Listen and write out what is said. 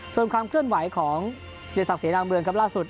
ส่วนความเคลื่อนไหวของเศรษฐกษีดังเบือนครับล่าสุด